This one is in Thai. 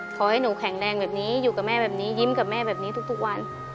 ขอให้หนูแข็งแรงแบบนี้อยู่กับแม่แบบนี้ยิ้มกับแม่แบบนี้ทุกวัน